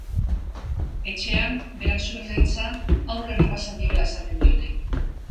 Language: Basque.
Etxean berak zuen gaitza haurrari pasa diola esaten diote.